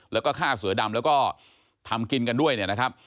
แล้วก็ฆ่าเสือดำแล้วก็ทำกินกันด้วยเนี่ยนะครับ